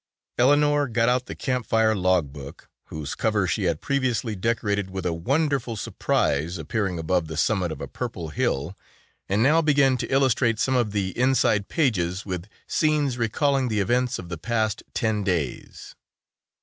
Eleanor got out the Camp Fire log book, whose cover she had previously decorated with a wonderful sunrise appearing above the summit of a purple hill, and now began to illustrate some of the inside pages with scenes recalling the events of the past ten days.